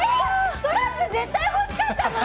ストラップ絶対欲しかったのに！